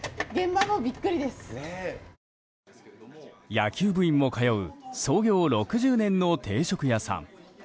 野球部員も通う創業６０年の定食屋さん。